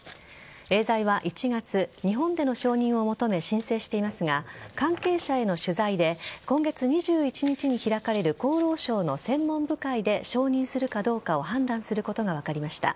エーザイは１月日本での承認を求め申請していますが関係者への取材で今月２１日に開かれる厚労省の専門部会で承認するかどうかを判断することが分かりました。